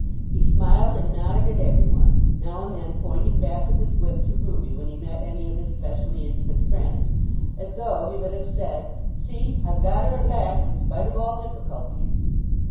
He smiled and nodded at every one, now and then pointing back with his whip to Ruby when he met any of his specially intimate friends, as though he would have said, "See, I've got her at last in spite of all difficulties."